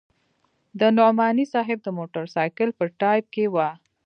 د نعماني صاحب د موټرسایکل په ټایپ کې وه.